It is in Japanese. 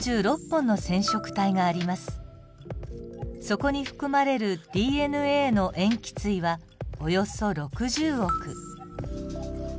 そこに含まれるＤＮＡの塩基対はおよそ６０億。